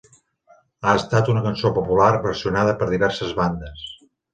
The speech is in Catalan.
Ha estat una cançó popular, versionada per diverses bandes.